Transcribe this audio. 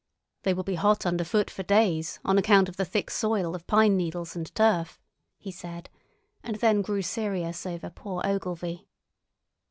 "They will be hot under foot for days, on account of the thick soil of pine needles and turf," he said, and then grew serious over "poor Ogilvy."